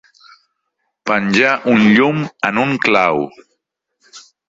Penjar un llum en un clau.